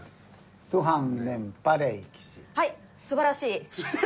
はい素晴らしい。